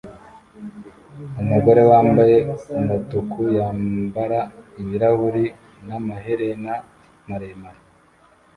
Umugore wambaye umutuku yambara ibirahuri n'amaherena maremare